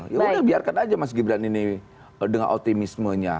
ya udah biarkan aja mas gibran ini dengan otimismenya